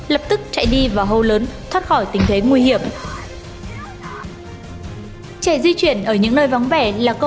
lập tức chạy đi và hô lớn thoát khỏi tình thế nguy hiểm trẻ di chuyển ở những nơi vắng vẻ là có